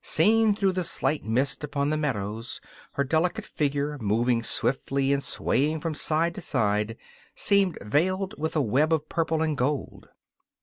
Seen through the slight mist upon the meadows, her delicate figure, moving swiftly and swaying from side to side, seemed veiled with a web of purple and gold.